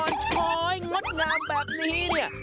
อ่อนชอยงดงามแบบนี้เนี่ย